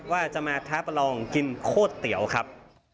ว่าจะมาท้าประลองกินโคตรเตี๋ยวครับ